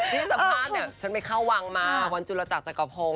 ที่สำคัญฉันเกี่ยวเข้าวังมาวันจุระจักรกระโภง